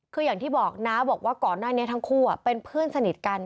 คืออย่างที่บอกน้าบอกว่าก่อนหน้านี้ทั้งคู่เป็นเพื่อนสนิทกัน